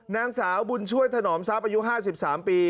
นางสาวบุญช่วยถนอมซ้าประยุ๕๓ปี